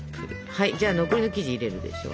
はいじゃあ残りの生地入れるでしょ。